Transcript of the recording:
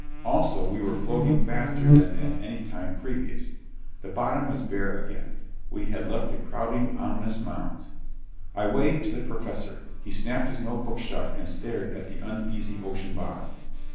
Also we were floating faster than at anytime previous. The bottom was bare again; we had left the crowding, ominous mounds. I waved to the Professor. He snapped his notebook shut and stared at the uneasy ocean bottom.